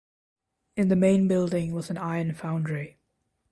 In the main building was an iron foundry.